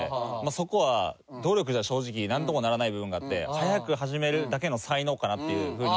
そこは努力じゃ正直なんともならない部分があって早く始めるだけの才能かなっていうふうに思ってて。